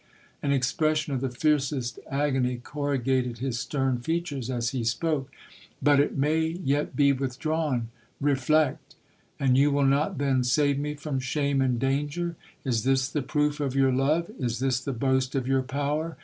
An expression of the fiercest agony corrugated his stern features as he spoke.—'But it may yet be withdrawn—reflect!'—'And you will not then save me from shame and danger? Is this the proof of your love—is this the boast of your power?'